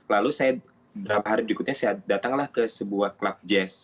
lalu saya beberapa hari berikutnya saya datanglah ke sebuah klub jazz